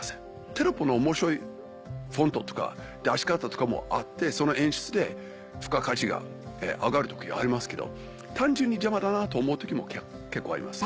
テロップの面白いフォントとか出し方とかもあってその演出で付加価値が上がる時ありますけど単純に邪魔だなと思う時も結構あります。